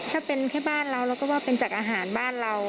ถ้าเป็นแค่บ้านเราเราก็ว่าเป็นจากอาหารบ้านเรา